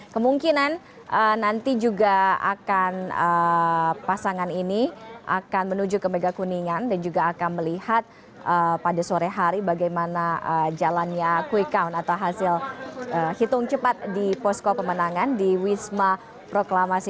kemungkinan nanti juga akan pasangan ini akan menuju ke megakuningan dan juga akan melihat pada sore hari bagaimana jalannya quick count atau hasil hitung cepat di posko pemenangan di wisma proklamasi